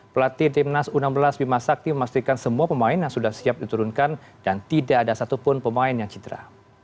pelatih timnas u enam belas bima sakti memastikan semua pemain yang sudah siap diturunkan dan tidak ada satupun pemain yang citra